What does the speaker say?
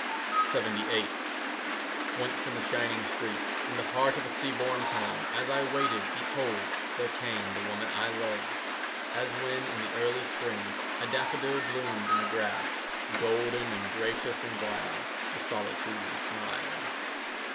LXXVIII Once in the shining street, In the heart of a seaboard town, As I waited, behold, there came The woman I loved. As when, in the early spring, 5 A daffodil blooms in the grass, Golden and gracious and glad, The solitude smiled.